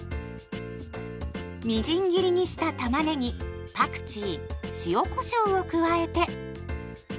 みじん切りにしたたまねぎパクチー塩こしょうを加えて。